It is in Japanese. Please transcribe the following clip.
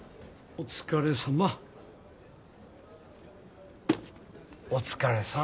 お疲れさん！